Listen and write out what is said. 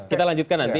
kita lanjutkan nanti